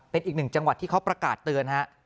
เป็นอีกหนึ่งจังหวัดที่เขาประกาศเตือนฮะ